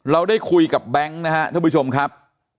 เราได้คุยกับแบงค์นะครับท่านผู้ชมครับ